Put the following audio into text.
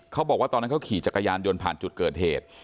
เขาบอกว่าตอนนั้นเขาขี่จักรยานยนต์ผ่านจุดเกิดเหตุ